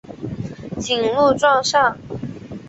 谨录状上。